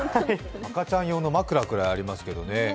赤ちゃん用の枕くらいありますけどね。